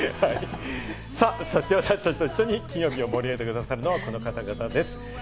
そして私達と一緒に金曜日を盛り上げて下さるのは、この方たちです。